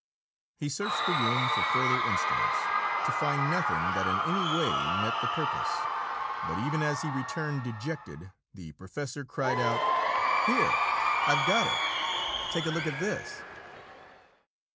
He searched the room for further instruments to find nothing that in any way met the purpose. But even as he returned dejected, the professor cried out: "Here I've got it! Take a look at this!"